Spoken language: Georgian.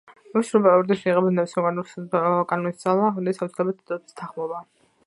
იმისათვის, რომ პარლამენტის მიღებულ ნებისმიერ კანონპროექტს კანონის ძალა ჰქონდეს, აუცილებელია დედოფლის თანხმობა.